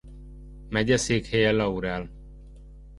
Megyeszékhelye Laurel.